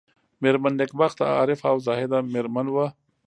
مېرمن نېکبخته عارفه او زاهده مېرمن وه.